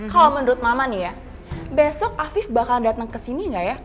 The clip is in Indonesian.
kalau menurut mama nih ya besok afif bakal datang ke sini nggak ya